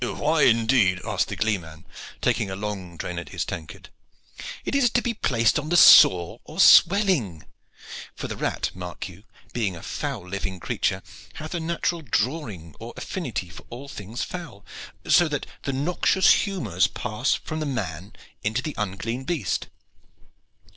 "Why indeed?" asked the gleeman, taking a long drain at his tankard. "It is to be placed on the sore or swelling. For the rat, mark you, being a foul living creature, hath a natural drawing or affinity for all foul things, so that the noxious humors pass from the man into the unclean beast."